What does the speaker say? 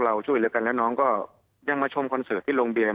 เราช่วยแล้วกันแล้วน้องก็ยังมาชมคอนเซิทที่โรงบีเรียมา